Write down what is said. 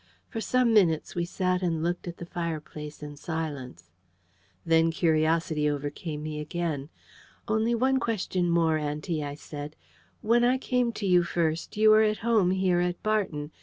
For some minutes we sat and looked at the fireplace in silence. Then curiosity overcame me again. "Only one question more, auntie," I said. "When I came to you first, you were at home here at Barton.